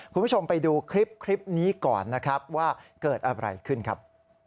คุณผู้ชมไปดูคลิปนี้ก่อนนะครับว่าเกิดอะไรขึ้นครับ